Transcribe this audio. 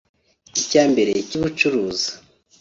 icya mbere cy’ubucuruzi